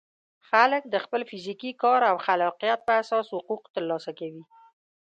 خلک د خپل فزیکي کار او خلاقیت په اساس حقوق ترلاسه کوي.